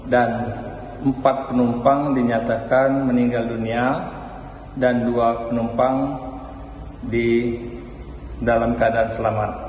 dan empat penumpang dinyatakan meninggal dunia dan dua penumpang dalam keadaan selamat